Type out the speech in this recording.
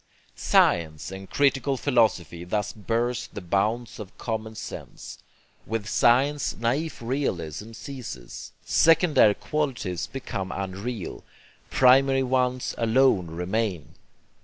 Science and critical philosophy thus burst the bounds of common sense. With science NAIF realism ceases: 'Secondary' qualities become unreal; primary ones alone remain.